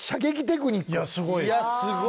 いやすごいよ。